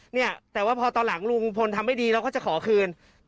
เนี่ยแต่ว่าพอตอนหลังลุงพลทำไม่ดีเราก็จะขอคืน